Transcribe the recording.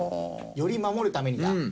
より守るためにだ。